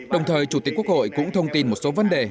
đồng thời chủ tịch quốc hội cũng thông tin một số vấn đề